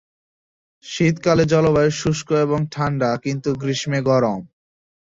শীতকালে জলবায়ু শুষ্ক এবং ঠান্ডা কিন্তু গ্রীষ্মে গরম।